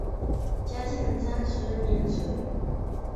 嘉庆十三年卒。